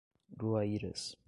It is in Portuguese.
Groaíras